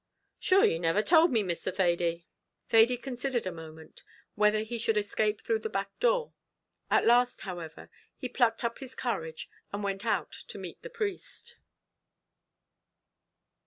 "Shure, you niver told me, Mr. Thady." Thady considered a moment, whether he should escape through the back door; at last, however, he plucked up his courage, and went out to meet the priest.